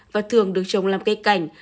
và thường được trồng làm cây cảnh